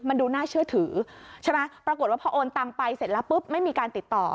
มันดูน่าเชื่อถือใช่ไหมปรากฏว่าพอโอนตังไปเสร็จแล้วปุ๊บไม่มีการติดต่อ